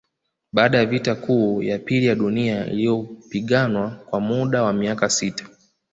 Baada ya vita kuu ya pili ya Dunia iliyopiganwa kwa muda wa miaka sita